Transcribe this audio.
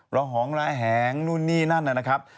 หองระแหงนู่นนี่นั่นนะครับ